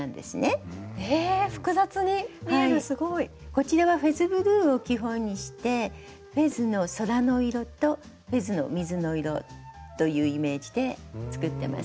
こちらはフェズブルーを基本にしてフェズの空の色とフェズの水の色というイメージで作ってます。